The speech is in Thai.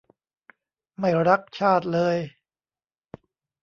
ไม่รักชาติเลย